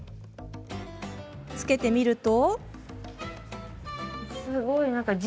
着けてみると。